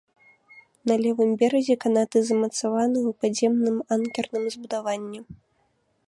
На левым беразе канаты замацаваны ў падземным анкерным збудаванні.